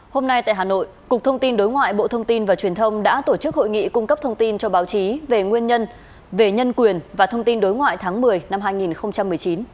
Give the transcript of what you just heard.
hôm nay tại hà nội cục thông tin đối ngoại bộ thông tin và truyền thông đã tổ chức hội nghị cung cấp thông tin cho báo chí về nguyên nhân về nhân quyền và thông tin đối ngoại tháng một mươi năm hai nghìn một mươi chín